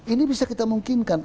ini bisa kita mungkinkan